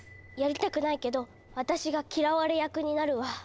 やりたくないけど私が嫌われ役になるわ。